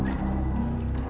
saya permisi dulu